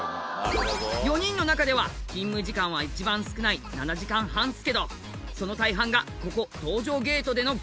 ４人の中では勤務時間は一番少ない７時間半っすけどその大半がここ搭乗ゲートでの業務っす。